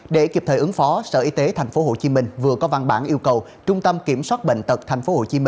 để kịp thời ứng phó sở y tế tp hcm vừa có văn bản yêu cầu trung tâm kiểm soát bệnh tật tp hcm